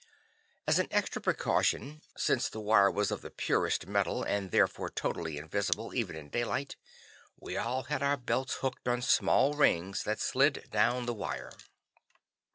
As an extra precaution, since the wire was of the purest metal, and therefore totally invisible, even in daylight, we all had our belts hooked on small rings that slid down the wire.